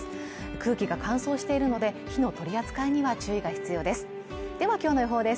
空気が乾燥しているので火の取り扱いには注意が必要ですではきょうの予報です